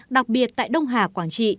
đặc biệt tại đông hà quảng trị